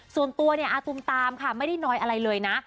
ส่วนตัวเนี่ยอาตุมตามค่ะไม่ได้น้อยอะไรเลยนะ